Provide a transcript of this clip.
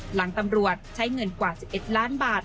หลังตำรวจใช้เงินกว่า๑๑ล้านบาท